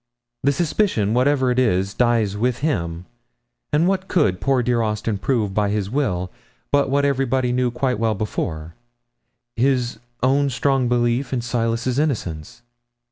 The suspicion, whatever it is dies with him, and what could poor dear Austin prove by his will but what everybody knew quite well before his own strong belief in Silas's innocence?